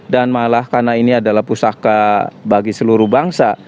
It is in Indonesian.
dan malah karena ini adalah pusaka bagi seluruh bangsa